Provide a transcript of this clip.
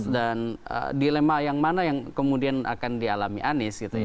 dan dilema yang mana yang kemudian akan dialami anies